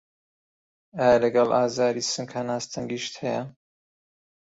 ئایا لەگەڵ ئازاری سنگ هەناسه تەنگیشت هەیە؟